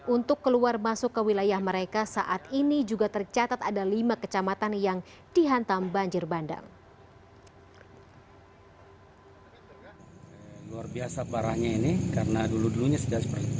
untuk keluar masuk ke wilayah mereka saat ini juga tercatat ada lima kecamatan yang dihantam banjir bandang